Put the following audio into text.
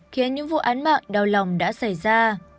khiến những vụ án mạng đau lòng đã xảy ra